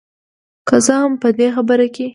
که څه هم په دې برخه کې